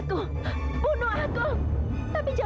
jangan berdiri juma